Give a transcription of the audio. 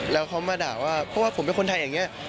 แล้วเขามาด่าว่าเพราะว่าผมเป็นคนไทยอย่างนี้